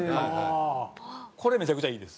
これめちゃくちゃいいです。